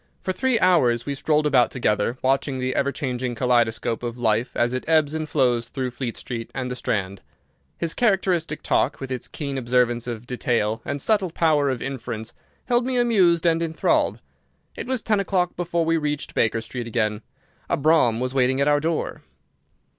For three hours we strolled about together, watching the ever changing kaleidoscope of life as it ebbs and flows through Fleet Street and the Strand. Holmes had shaken off his temporary ill humour, and his characteristic talk, with its keen observance of detail and subtle power of inference held me amused and enthralled. It was ten o'clock before we reached Baker Street again. A brougham was waiting at our door.